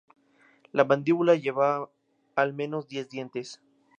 La mandíbula lleva al menos diez dientes.